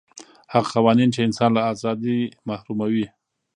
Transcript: هغه قوانین چې انسان له ازادۍ محروموي.